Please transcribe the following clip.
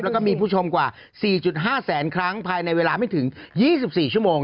แล้วก็มีผู้ชมกว่า๔๕แสนครั้งภายในเวลาไม่ถึง๒๔ชั่วโมง